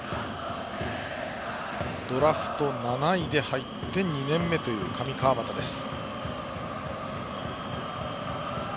ドラフト７位で入って２年目の上川畑です。